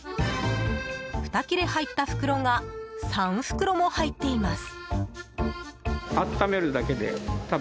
２切れ入った袋が３袋も入っています。